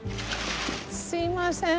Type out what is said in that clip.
すいません